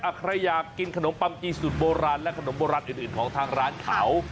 ใครอยากกินขนมปังกี้สูตรโบราณและขนมโบราณอื่นของทางร้านเขา